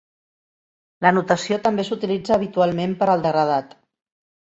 La notació també s'utilitza habitualment per al degradat.